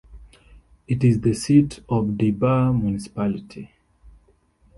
It is the seat of Debar Municipality.